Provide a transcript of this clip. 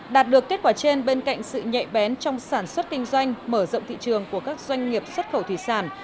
đạt được kết quả trên bên cạnh sự nhạy bén trong sản xuất kinh doanh mở rộng thị trường của các doanh nghiệp xuất khẩu thủy sản